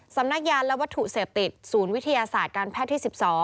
งานและวัตถุเสพติดศูนย์วิทยาศาสตร์การแพทย์ที่๑๒